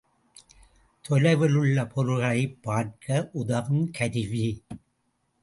தொலைவிலுள்ள பொருள்களைப் பார்க்க உதவும் கருவி.